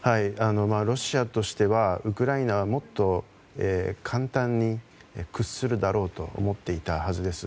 ロシアとしてはウクライナはもっと簡単に屈するだろうと思っていたはずです。